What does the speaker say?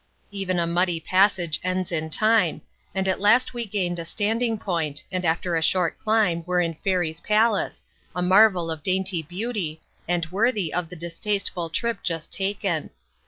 Even a muddy passage ends in time, and at last we gained a standing point and after a short climb were in Fairies' Palace, a marvel of dainty beauty, and worthy of the distasteful trip just taken.